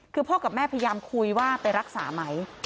คือพ่อกับแม่พยายามคุยว่าไปรักษาไหม